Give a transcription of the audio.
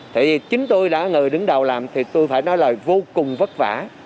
thì chính tôi đã người đứng đầu làm thì tôi phải nói là vô cùng vất vả